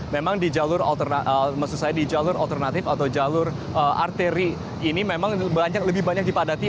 memang di jalur alternatif atau jalur arteri ini memang lebih banyak dipadati